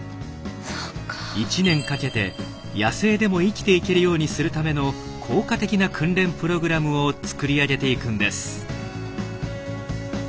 １年かけて野生でも生きていけるようにするための効果的な訓練プログラムを作り上げていくんです。